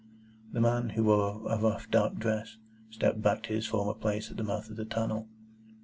The man, who wore a rough dark dress, stepped back to his former place at the mouth of the tunnel.